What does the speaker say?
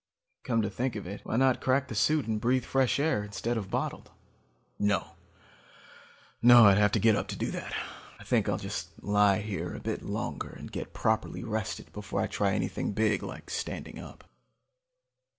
"Come to think of it, why not crack the suit and breath fresh air instead of bottled? "No. I'd have to get up to do that. I think I'll just lie here a little bit longer and get properly rested up before I try anything big like standing up.